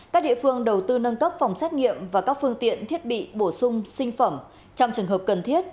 các địa phương đầu tư nâng cấp phòng xét nghiệm và các phương tiện thiết bị bổ sung sinh phẩm trong trường hợp cần thiết